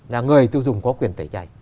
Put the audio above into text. là người tiêu dùng có quyền tẩy chay